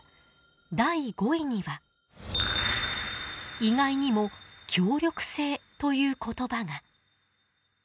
第５位には意外にも協力性という言葉が。